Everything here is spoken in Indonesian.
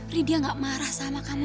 ini dia gak marah sama kamu